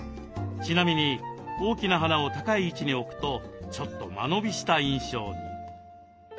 ちなみに大きな花を高い位置に置くとちょっと間延びした印象に。